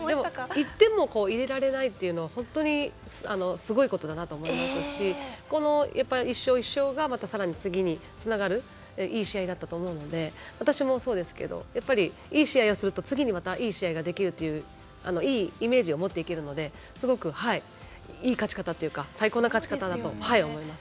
１点も入れられないというのは本当にすごいことだなと思いますし１勝１勝がさらに次につながるいい試合だったと思うので私もそうですけどいい試合をすると次にいい試合ができるといういいイメージを持っていけるのですごくいい勝ち方というか最高の勝ち方だと思います。